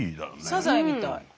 サザエみたい。